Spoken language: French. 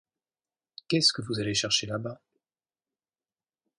Qu'est-ce que vous allez chercher là-bas ?